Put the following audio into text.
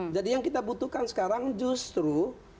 jadi yang kita butuhkan sekarang justru